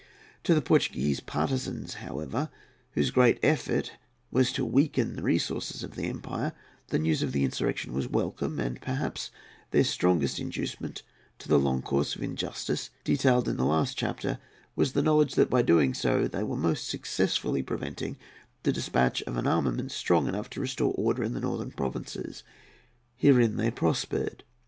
To the Portuguese partizans, however, whose great effort was to weaken the resources of the empire, the news of the insurrection was welcome; and perhaps their strongest inducement to the long course of injustice detailed in the last chapter was the knowledge that by so doing they were most successfully preventing the despatch of an armament strong enough to restore order in the northern provinces. Herein they prospered.